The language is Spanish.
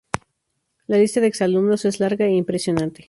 La lista de exalumnos es larga e impresionante.